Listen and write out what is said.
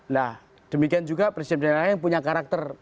nah demikian juga presiden jokowi yang punya karakter